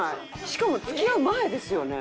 しかも付き合う前ですよね？